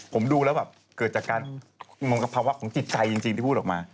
ผมดูแล้วแบบเกิดจากการมงกภาวะของจิตใจจริงที่พูดออกมา